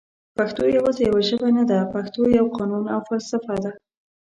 پښتو یواځي یوه ژبه نده پښتو یو قانون او فلسفه ده